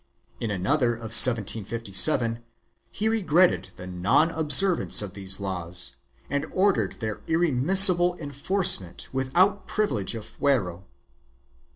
In another of 1757 he regretted the non observance of these laws and ordered their irremissible enforcement without privi lege of f uero.